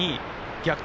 逆転